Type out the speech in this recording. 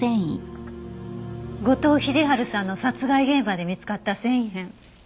後藤秀春さんの殺害現場で見つかった繊維片。